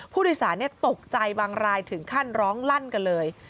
ผู้โดยสารตกใจบางรายถึงขั้นร้องลั่นกันเลย